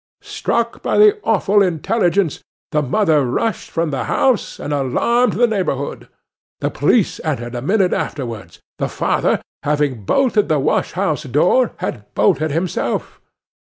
'Struck by the awful intelligence, the mother rushed from the house, and alarmed the neighbourhood. The police entered a minute afterwards. The father, having bolted the wash house door, had bolted himself.